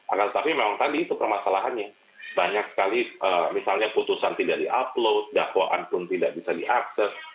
akan tetapi memang tadi itu permasalahannya banyak sekali misalnya putusan tidak di upload dakwaan pun tidak bisa diakses